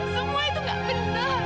semua itu gak benar